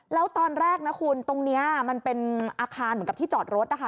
แล้วตอนแรกนะคุณตรงนี้มันเป็นอาคารเหมือนกับที่จอดรถนะคะ